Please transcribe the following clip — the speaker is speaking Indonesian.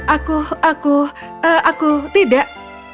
aku aku aku tidak